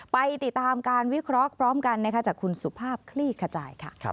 ไปติดตามการวิเคราะห์พร้อมกันนะคะจากคุณสุภาพคลี่ขจายค่ะ